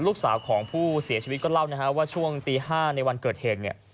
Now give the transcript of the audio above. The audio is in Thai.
ลูกสาวของผู้เสียชีวิตก็เล่านะฮะว่าช่วงตี๕ในวันเกิดเหตุเนี่ย